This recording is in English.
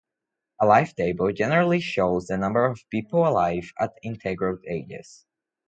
A life table generally shows the number of people alive at integral ages.